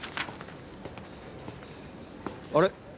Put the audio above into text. あれ？